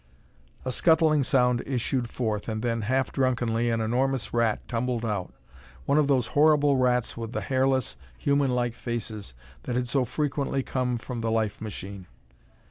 A scuttling sound issued forth and then, half drunkenly, an enormous rat tumbled out one of those horrible rats with the hairless, humanlike faces that had so frequently come from the life machine.